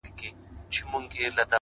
سترگي مي ړندې سي رانه وركه سې!!